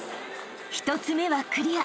［１つ目はクリア］